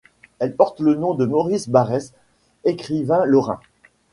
Elle porte le nom de Maurice Barrès, écrivain lorrain.